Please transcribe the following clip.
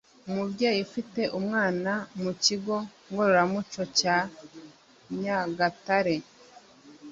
umubyeyi ufite umwana mu Kigo Ngororamuco cya Nyagatare